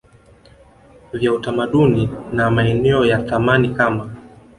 vya utamaduni na maeneo ya thamani kama